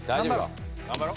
頑張ろう！